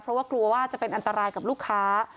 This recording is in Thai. เพราะว่ากลัวว่าจะเป็นอันตรายกับลูกค้า